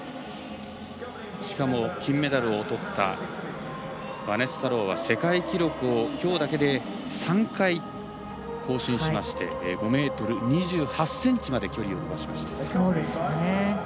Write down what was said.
しかも金メダルをとったバネッサ・ローは世界記録をきょうだけで３回更新しまして、５ｍ２８ｃｍまで距離を伸ばしました。